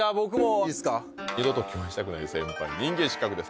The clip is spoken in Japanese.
「二度と共演したくない先輩」「人間失格」です